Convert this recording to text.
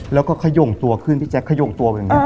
แล้วก็ขยงตัวขึ้นพี่แจ๊คขยงตัวแบบนี้